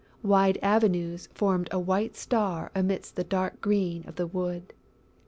Wide avenues formed a white star amidst the dark green of the wood.